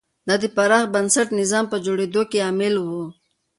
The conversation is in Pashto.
دا د پراخ بنسټه نظام په جوړېدو کې عامل و.